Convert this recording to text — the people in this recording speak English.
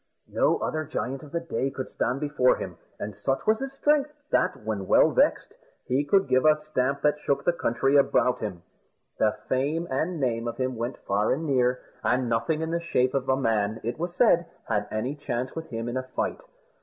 No other giant of the day could stand before him; and such was his strength, that, when well vexed, he could give a stamp that shook the country about him. The fame and name of him went far and near; and nothing in the shape of a man, it was said, had any chance with him in a fight.